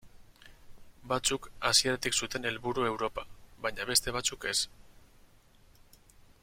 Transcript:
Batzuk hasieratik zuten helburu Europa, baina beste batzuk ez.